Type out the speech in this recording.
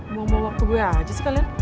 buang dua waktu gue aja sekalian